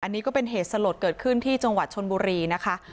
อันนี้ก็เป็นเหตุสลดเกิดขึ้นที่จังหวัดชนบุรีนะคะ